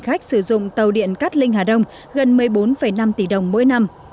khách sử dụng tàu điện cát linh hà đông gần một mươi bốn năm tỷ đồng mỗi năm